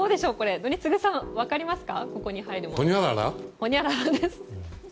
宜嗣さん、分かりますか？